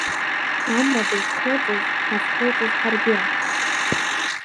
Амра ду зхылҵыз ҳазхылҵыз ҳаргьы?